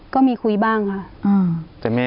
ก็มีคุยบ้างค่ะ